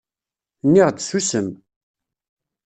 Nniɣ-d ssusem!